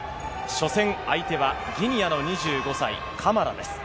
初戦の相手はギニアの２５歳カマラです。